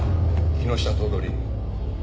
木下頭取。